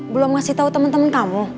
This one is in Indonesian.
belum ngasih tau temen temen kamu